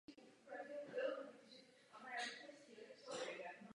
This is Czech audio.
Před první světovou válkou byl předsedou biskupské konference rakouské části monarchie.